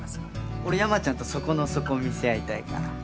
俺山ちゃんと底の底を見せ合いたいから。